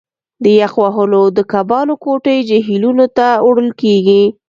د یخ وهلو د کبانو کوټې جهیلونو ته وړل کیږي